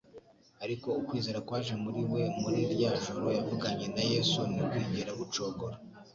ariko ukwizera kwaje muri we muri rya joro yavuganye na Yesu, ntikwigera gucogora.